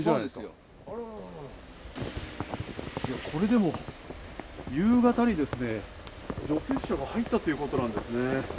これでも夕方に除雪車が入ったということなんですね。